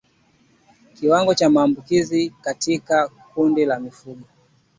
Kiwango cha maambukizi katika kundi la mifugo